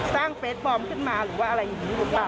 เฟสปลอมขึ้นมาหรือว่าอะไรอย่างนี้หรือเปล่า